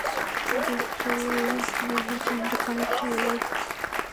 Brick Lane click and connect মেলায় মানুষদের সুখানুভূতিগুলো ধরে রাখার সুযোগ করে দিয়েছে।